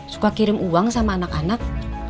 suka kirim uang sama anak anak